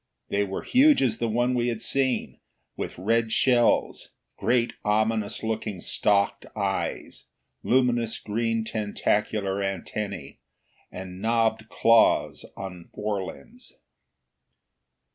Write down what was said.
They were huge as the one we had seen, with red shells, great ominous looking stalked eyes, luminous green tentacular antennae and knobbed claws on forelimbs.